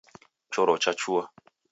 Choro chachua.